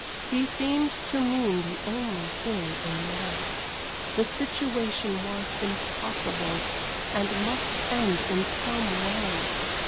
He seemed to mean the only thing in life. The situation was impossible, and must end in some way.